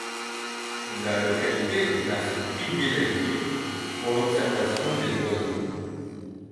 La localité est un site privilégié pour l'observation des oiseaux.